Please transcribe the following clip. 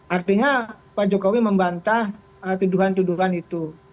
artinya pak jokowi membantah tuduhan tuduhan itu